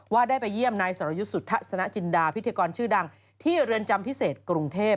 ได้ไปเยี่ยมนายสรยุทธสนจินดาพิธีกรชื่อดังที่เรือนจำพิเศษกรุงเทพ